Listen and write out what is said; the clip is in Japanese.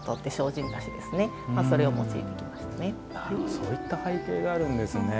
そういった背景があるんですね。